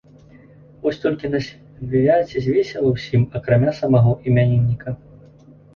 Вось толькі на свяце весела ўсім, акрамя самаго імянінніка.